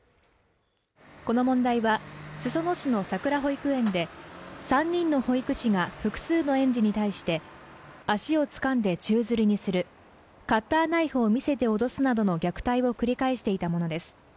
この問題は裾野市のさくら保育園で３人の保育士が複数の園児に対して足をつかんで宙吊りにするカッターナイフを見せて脅すなどの虐待を繰り返していたものです